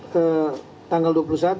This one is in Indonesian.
ke tanggal dua puluh satu